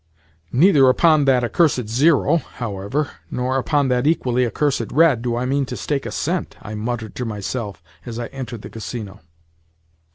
"Neither upon that accursed zero, however, nor upon that equally accursed red do I mean to stake a cent," I muttered to myself as I entered the Casino.